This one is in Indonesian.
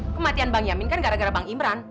kematian bang yamin kan gara gara bang imran